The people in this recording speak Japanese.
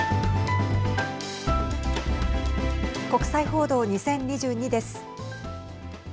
国際報道２０２２です。